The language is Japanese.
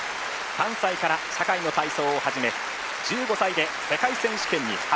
３歳から社会の体操を始め１５歳で世界選手権に初出場。